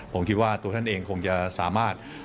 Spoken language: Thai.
ผมคิดว่าตัวท่านเองคงจะสามารถ